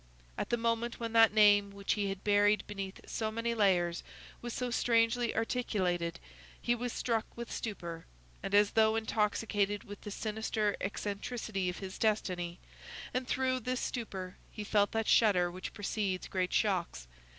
At the moment when that name, which he had buried beneath so many layers, was so strangely articulated, he was struck with stupor, and as though intoxicated with the sinister eccentricity of his destiny; and through this stupor he felt that shudder which precedes great shocks.